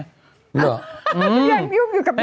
ยังยุ่งอยู่กับเลข